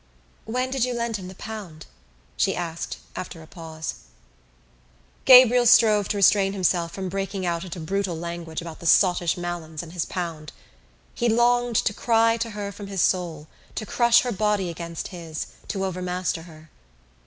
"When did you lend him the pound?" she asked, after a pause. Gabriel strove to restrain himself from breaking out into brutal language about the sottish Malins and his pound. He longed to cry to her from his soul, to crush her body against his, to overmaster her.